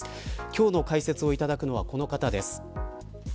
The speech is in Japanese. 今日の解説をいただくのはこの方です。